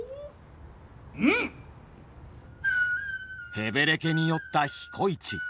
へべれけに酔った彦市。